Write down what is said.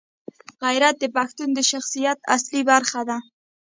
غیرت د پښتون د شخصیت اصلي برخه ده.